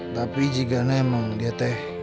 tapi jika memang dia teh